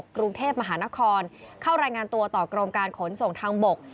กรุงเทพมหานครเข้ารายงานตัวต่อกรมการขนส่งทางบก